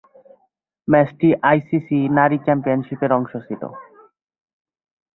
ম্যাচটি আইসিসি নারী চ্যাম্পিয়নশিপের অংশ ছিল।